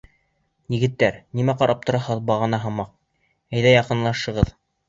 Егеттәр, нимә ҡарап тораһығыҙ бағана һымаҡ, әйҙә яҡынлашығыҙ.